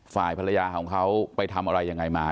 ฝ่ายภรรยาของเขาไปทำอะไรยังไงมา